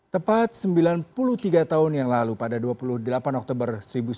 tepat sembilan puluh tiga tahun yang lalu pada dua puluh delapan oktober seribu sembilan ratus empat puluh